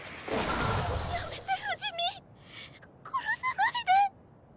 やめて不死身殺さないでッ！